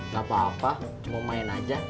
gak apa apa mau main aja